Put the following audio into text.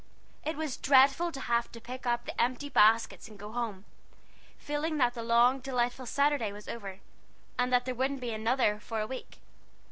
It was dreadful to have to pick up the empty baskets and go home, feeling that the long, delightful Saturday was over, and that there wouldn't be another for a week.